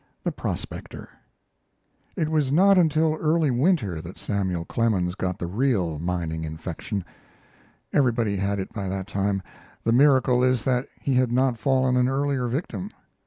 THE PROSPECTOR It was not until early winter that Samuel Clemens got the real mining infection. Everybody had it by that time; the miracle is that he had not fallen an earlier victim.